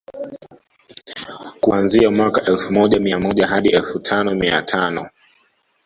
kuanzia mwaka elfu moja mia moja hadi elfu moja mia tano